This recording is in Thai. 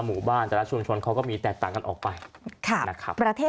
หมู่บ้านแต่ละชุมชนเขาก็มีแตกต่างกันออกไปค่ะนะครับประเทศ